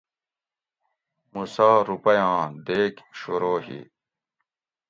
موسےٰ روپیاں دیگ شروع ہی